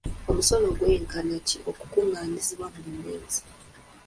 Omusolo gwenkana ki ogukungaanyizibwa buli mwezi?